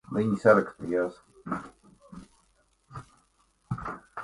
Viņi sarakstījās.